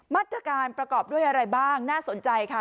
มาตรการประกอบด้วยอะไรบ้างน่าสนใจค่ะ